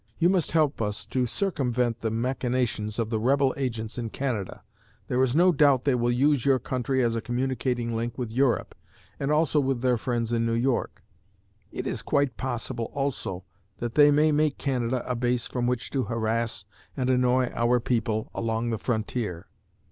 You must help us to circumvent the machinations of the rebel agents in Canada. There is no doubt they will use your country as a communicating link with Europe, and also with their friends in New York. It is quite possible, also, that they may make Canada a base from which to harass and annoy our people along the frontier.'